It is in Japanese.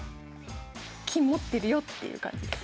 金持ってるよっていう感じです。